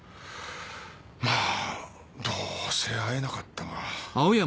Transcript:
まぁどうせ会えなかったが。